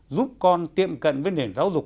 giúp con tiệm cận với nền giáo dục